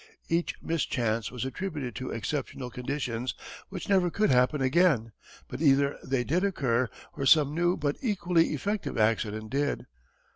Each mischance was attributed to exceptional conditions which never could happen again, but either they did occur, or some new but equally effective accident did.